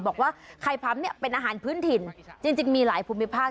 บอกว่าไข่พร้ำเนี่ยเป็นอาหารพื้นถิ่นจริงมีหลายภูมิภาค